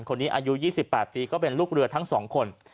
อายุ๒๘ปีก็เป็นลูกเรือทั้ง๒คน